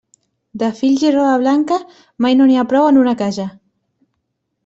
De fills i roba blanca, mai no n'hi ha prou en una casa.